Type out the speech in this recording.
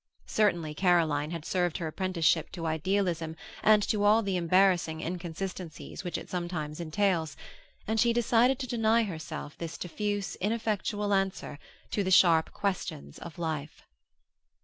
Certainly Caroline had served her apprenticeship to idealism and to all the embarrassing inconsistencies which it sometimes entails, and she decided to deny herself this diffuse, ineffectual answer to the sharp questions of life.